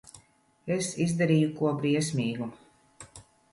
Es izdarīju ko briesmīgu.